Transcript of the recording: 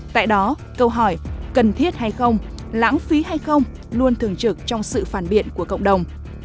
tại đó câu hỏi cần thiết hay không lãng phí hay không luôn thường trực trong sự phản biện của cộng đồng